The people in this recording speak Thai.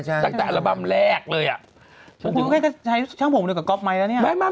ช่างพวกเขาก็ใช้ช่างผมด้วยกับก๊อบไหมแล้วเนี่ย